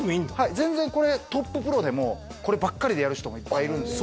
全然これトッププロでもこればっかりでやる人もいっぱいいるんですよ。